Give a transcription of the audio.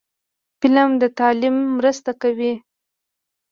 فلم د تعلیم مرسته کوي